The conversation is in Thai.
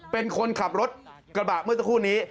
เป็นคนขับรถกระบะเมื่อสักครู่นี้